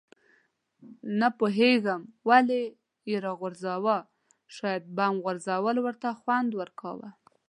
نه پوهېږم ولې یې راوغورځاوه، شاید بم غورځول ورته خوند ورکاوه.